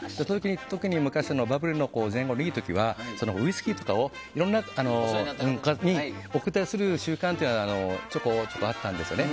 特に昔のバブルの前後のいい時はウイスキーとかをいろんな方に贈ったりする習慣がちょっとあったんですよね。